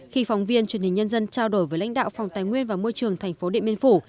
khi phóng viên truyền hình nhân dân trao đổi với lãnh đạo phòng tài nguyên và môi trường tp điện biên phủ